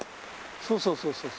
そうそうそうそう。